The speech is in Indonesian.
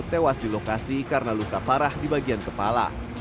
tewas di lokasi karena luka parah di bagian kepala